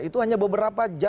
itu hanya beberapa jam